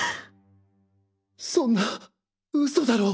そんな嘘だろ？